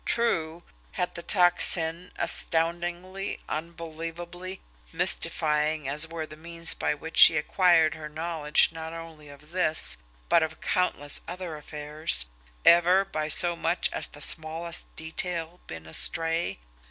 True! Had the Tocsin, astounding, unbelievable, mystifying as were the means by which she acquired her knowledge not only of this, but of countless other affairs, ever by so much as the smallest detail been astray.